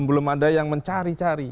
belum ada yang mencari cari